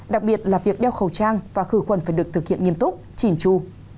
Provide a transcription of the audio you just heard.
đặc biệt là việc đeo khẩu trang và khử khuẩn phải được thực hiện nghiêm túc chỉn chu